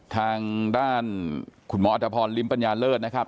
ทางด้านคุณหมออัตภพรลิ้มปัญญาเลิศนะครับ